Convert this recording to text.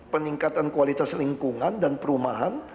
peningkatan kualitas lingkungan dan perumahan